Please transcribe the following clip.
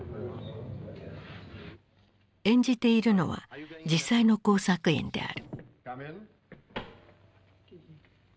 演じているのは実際の工作員である。